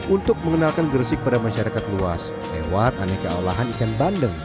untuk mengenalkan gresik pada masyarakat luas lewat aneka olahan ikan bandeng